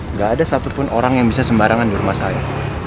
nggak ada satupun orang yang bisa sembarangan di rumah saya